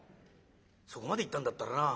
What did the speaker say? そこまで行ったんだったらな